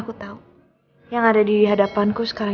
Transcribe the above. aku tahu yang ada di hadapanku sekarang